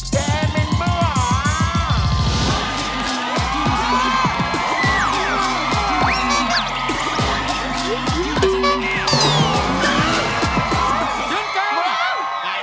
เจมส์มิ้นเบ้าหรอ